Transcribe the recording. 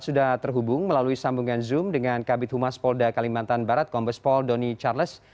sudah terhubung melalui sambungan zoom dengan kabit humas polda kalimantan barat kombespol doni charles